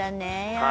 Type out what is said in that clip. はい。